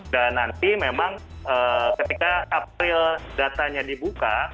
dan nanti memang ketika april datanya dibuka